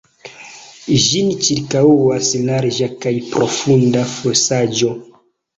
Ĝin ĉirkaŭas larĝa kaj profunda fosaĵo.